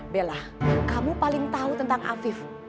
bella kamu paling tahu tentang afif